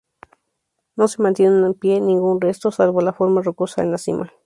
No se mantiene en pie ningún resto salvo la forma rocosa en la cima.